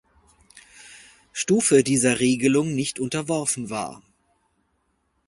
Stufe dieser Regelung nicht unterworfen war.